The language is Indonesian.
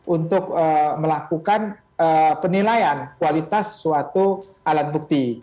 untuk melakukan penilaian kualitas suatu alat bukti